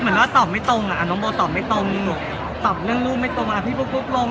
เหมือนว่าตอบไม่ตรงอ่ะน้องโบตอบไม่ตรงตอบเรื่องลูกไม่ตรงอ่ะพี่ปุ๊กลง